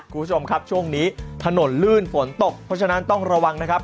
คุณผู้ชมครับช่วงนี้ถนนลื่นฝนตกเพราะฉะนั้นต้องระวังนะครับ